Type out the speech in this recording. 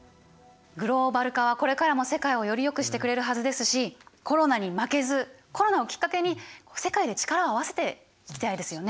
グローバル化はこれからも世界をよりよくしてくれるはずですしコロナに負けずコロナをきっかけに世界で力を合わせていきたいですよね。